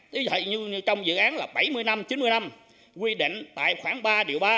như vậy trong dự án là bảy mươi năm chín mươi năm quy định tại khoảng ba điều ba